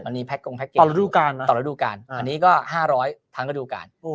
อันนี้ต่อระดูกการต่อระดูกการอันนี้ก็ห้าร้อยทั้งระดูกการโอ้